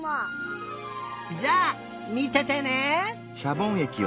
じゃあみててね！